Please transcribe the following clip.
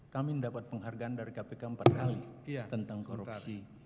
kami mendapat penghargaan dari kpk empat kali tentang korupsi